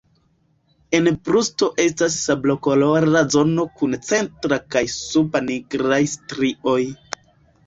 En brusto estas sablokolora zono kun centra kaj suba nigraj strioj.